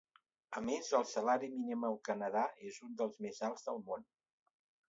A més, el salari mínim al Canadà és un dels més alts del món.